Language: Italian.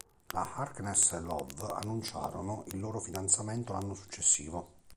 La Harkness e Love annunciarono il loro fidanzamento l'anno successivo.